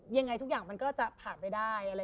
ยังไงทุกอย่างมันก็จะผ่านไปได้